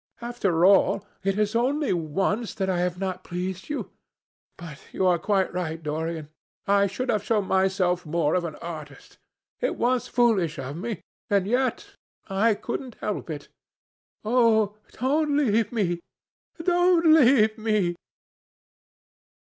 After all, it is only once that I have not pleased you. But you are quite right, Dorian. I should have shown myself more of an artist. It was foolish of me, and yet I couldn't help it. Oh, don't leave me, don't leave me."